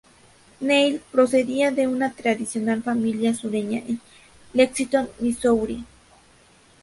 Neill procedía de una tradicional familia sureña en Lexington, Missouri.